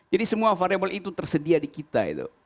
jadi semua variable itu tersedia di kita